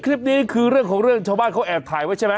คลิปนี้คือเรื่องของเรื่องชาวบ้านเขาแอบถ่ายไว้ใช่ไหม